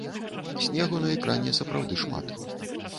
Снегу на экране сапраўды шмат.